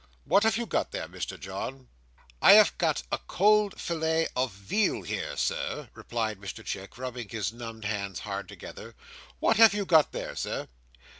What have you got there, Mr John?" "I have got a cold fillet of veal here, Sir," replied Mr Chick, rubbing his numbed hands hard together. "What have you got there, Sir?"